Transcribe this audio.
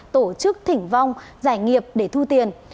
tổ chức thỉnh vong giải nghiệp để thu tiền